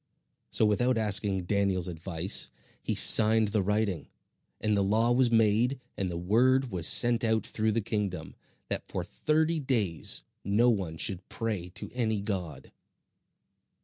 So without asking Daniel's advice, he signed the writing; and the law was made, and the word was sent out through the kingdom, that for thirty days no one should pray to any god.